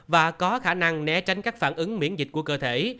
và có khả năng né tránh các phản ứng miễn dịch của cơ thể